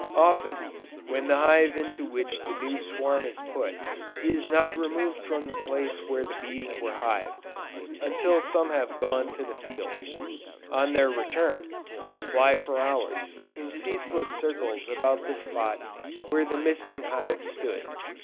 Often, when the hive into which the new swarm is put, is not removed from the place where the bees were hived, until some have gone to the fields, on their return, they fly for hours, in ceaseless circles about the spot where the missing hive stood.